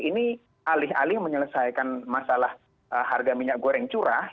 ini alih alih menyelesaikan masalah harga minyak goreng curah